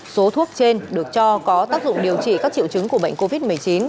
số thuốc trên được cho có tác dụng điều trị các triệu chứng của bệnh covid một mươi chín